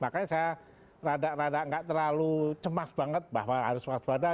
makanya saya rada rada nggak terlalu cemas banget bahwa harus waspada